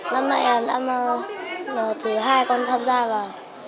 năm nay là thứ hai con tham gia và